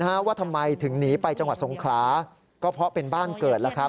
เพราะว่าทำไมถึงหนีไปจังหวัดสงขลาก็เพราะเป็นบ้านเกิด